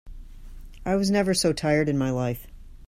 I was never so tired in my life.